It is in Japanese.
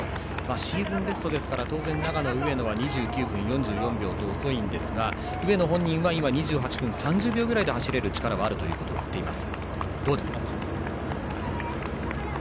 シーズンベストですから当然、長野の上野は２９分４４秒となり遅いんですが上野本人は２８分３０秒ぐらいで走れる力はあると言っています。